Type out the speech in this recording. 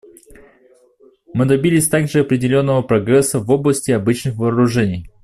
Мы добились также определенного прогресса в области обычных вооружений.